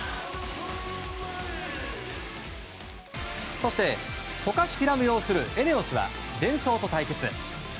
そして、渡嘉敷来夢擁するＥＮＥＯＳはデンソーと対決。